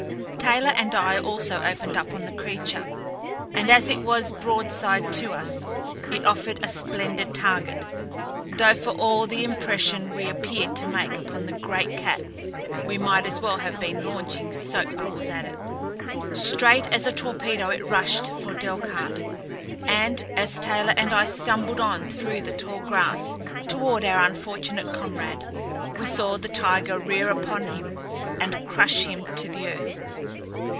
Taylor and I also opened up on the creature, and as it was broadside to us it offered a splendid target, though for all the impression we appeared to make upon the great cat we might as well have been launching soap bubbles at it. Straight as a torpedo it rushed for Delcarte, and, as Taylor and I stumbled on through the tall grass toward our unfortunate comrade, we saw the tiger rear upon him and crush him to the earth.